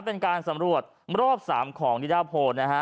เป็นการสำรวจรอบ๓ของนิดาโพลนะฮะ